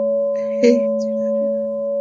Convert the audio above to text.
হেই, general!